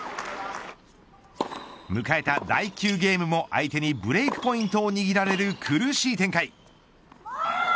迎えた第９ゲームも相手にブレークポイントを握られる苦しい展開。